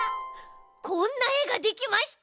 こんなえができました！